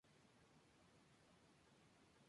Era hermafrodita, con los órganos sexuales detrás.